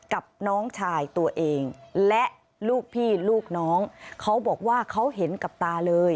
กับน้องชายตัวเองและลูกพี่ลูกน้องเขาบอกว่าเขาเห็นกับตาเลย